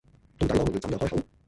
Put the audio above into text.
到底我們要怎樣開口？